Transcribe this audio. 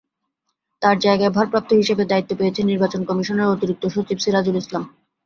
তাঁর জায়গায় ভারপ্রাপ্ত হিসেবে দায়িত্ব পেয়েছেন নির্বাচন কমিশনের অতিরিক্ত সচিব সিরাজুল ইসলাম।